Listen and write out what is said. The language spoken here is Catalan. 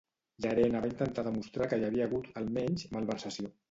Llarena va intentar demostrar que hi havia hagut, almenys, malversació.